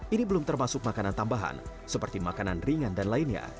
ini belum termasuk makanan tambahan seperti makanan ringan dan lainnya